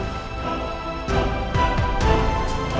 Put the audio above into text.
punyanya elsa kan pak